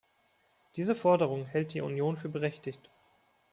Diese Forderungen hält die Union für berechtigt.